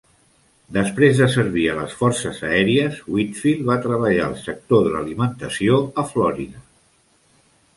Després de servir a les Forces Aèries, Whitfield va treballar al sector de l'alimentació a Florida.